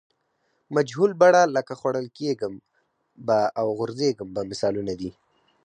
مجهول بڼه لکه خوړل کیږم به او غورځېږم به مثالونه دي.